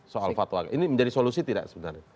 soal fatwa ini menjadi solusi tidak sebenarnya